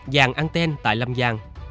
giàn anten tại lâm giang